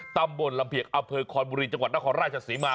ตำบลลำเพียกอำเภอคอนบุรีจังหวัดนครราชศรีมา